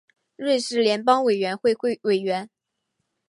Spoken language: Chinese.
瑞士联邦委员会委员。